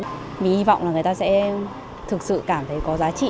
mình hy vọng là người ta sẽ thực sự cảm thấy có giá trị